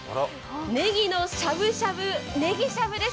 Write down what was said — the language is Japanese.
ねぎのしゃぶしゃぶねぎしゃぶです。